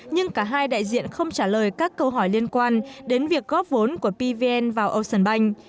nhưng cả hai đại diện không trả lời các câu hỏi liên quan đến việc góp vốn của pvn vào ocean bank